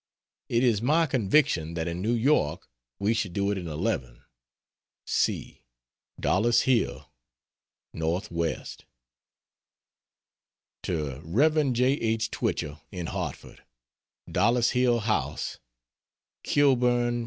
It is my conviction that in New York we should do it in eleven. C. DOLLIS HILL, N. W. To Rev. J. H. Twichell, in Hartford: DOLLIS HILL HOUSE, KILBURN, N.